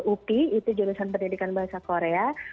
upi itu jurusan pendidikan bahasa korea